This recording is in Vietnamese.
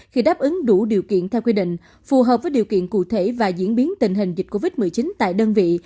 khi đáp ứng đủ điều kiện theo quy định phù hợp với điều kiện cụ thể và diễn biến tình hình dịch covid một mươi chín tại đơn vị